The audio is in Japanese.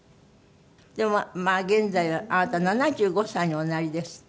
でもまあ現在はあなた７５歳におなりですって？